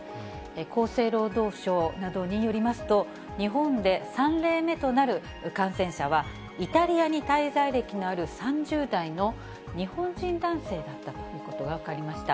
厚生労働省などによりますと、日本で３例目となる感染者は、イタリアに滞在歴のある３０代の日本人男性だったということが分かりました。